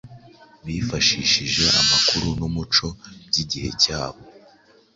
bifashishije amakuru n‟umuco by‟igihe cyabo